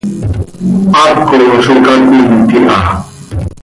Haaco zo cacoiit iha.